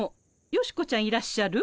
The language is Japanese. ヨシコちゃんいらっしゃる？